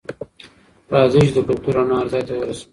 راځئ چې د کلتور رڼا هر ځای ته ورسوو.